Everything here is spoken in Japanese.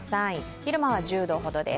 昼間は１０度ほどです。